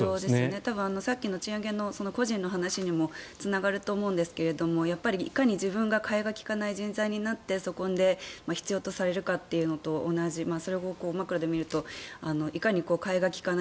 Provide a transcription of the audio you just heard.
多分さっきの賃上げの個人の話にもつながると思うんですがやっぱり、いかに自分が替えが利かない人材になってそこで必要とされるのかと同じそれをマクロで見るといかに替えが利かない